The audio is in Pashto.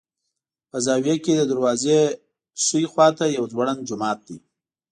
په زاویه کې د دروازې ښي خوا ته یو ځوړند جومات دی.